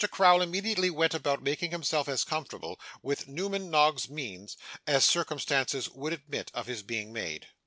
Crowl immediately went about making himself as comfortable, with Newman Nogg's means, as circumstances would admit of his being made.